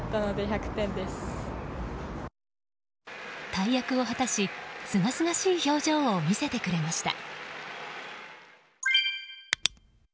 大役を果たし、すがすがしい表情を見せてくれました。